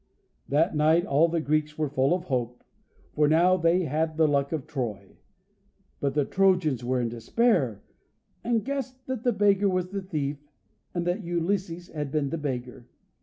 That night all the Greeks were full of hope, for now they had the Luck of Troy, but the Trojans were in despair, and guessed that the beggar was the thief, and that Ulysses had been the beggar.